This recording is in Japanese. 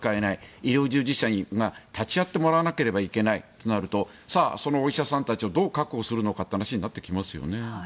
医療従事者に立ち会ってもらわないといけないとなるとお医者さんをどう確保するのかという話になりますね。